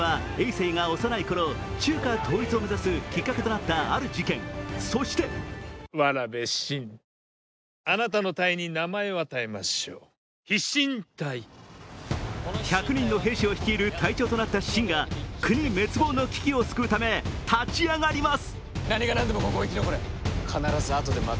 政が幼いころ、中華統一を目指すきっかけとなったある事件、そして１００人の兵士を率いる隊長となった信が国滅亡の危機を救うため立ち上がります。